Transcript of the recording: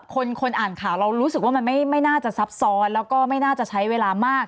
คนอ่านข่าวเรารู้สึกว่ามันไม่น่าจะซับซ้อนแล้วก็ไม่น่าจะใช้เวลามาก